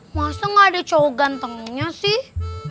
masa gak ada cowok gantengnya sih